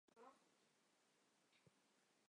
此外还有一些当地人为集中营提供食品。